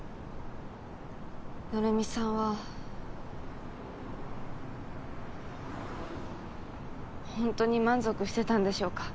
成海さんはほんとに満足してたんでしょうか。